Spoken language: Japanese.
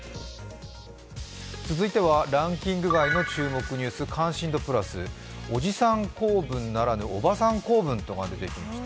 続いてはランキング外の注目ニュース、「関心度プラス」おじさん構文ならぬおばさん構文というのが出てきました。